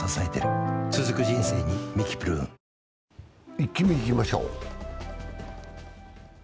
「イッキ見」いきましょう。